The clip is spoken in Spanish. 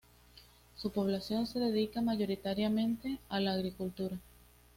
Su población se dedica mayoritariamente a la agricultura.